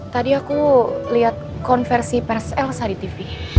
tadi aku lihat konversi pers elsa di tv